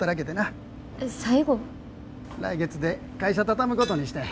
来月で会社畳むことにしたんや。